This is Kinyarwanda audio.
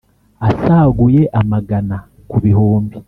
asaguye amagana ku bihumbi